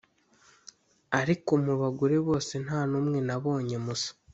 ariko mu bagore bose nta n’umwe nabonye musa